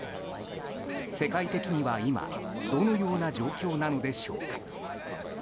世界的には今どのような状況なのでしょうか。